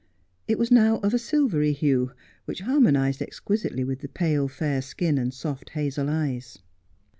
It was now of a silvery hue, which har monized exquisitely with the pale fair skin and soft hazel eyes.